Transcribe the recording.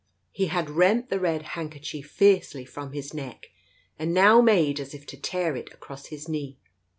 He had rent the red handker chief fiercely from his neck, and now made as if to tear it across his knee.